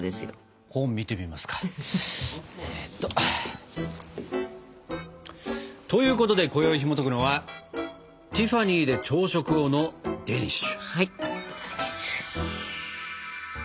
ちょっと本見てみますか。ということでこよいひもとくのは「ティファニーで朝食を」のデニッシュ。